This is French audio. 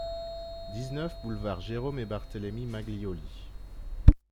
dix-neuf boulevard Jérome et Barthélémy Maglioli